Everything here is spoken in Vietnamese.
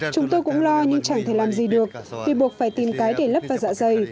chúng tôi cũng lo nhưng chẳng thể làm gì được vì buộc phải tìm cái để lấp và dạ dày